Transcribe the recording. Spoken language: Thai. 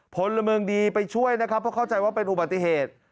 พลเมืองดีไปช่วยนะครับเพราะเข้าใจว่าเป็นอุบัติเหตุ